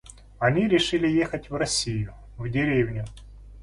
Они решили ехать в Россию, в деревню.